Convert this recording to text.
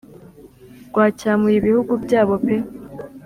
rwacyamuye ibihugu byabo pe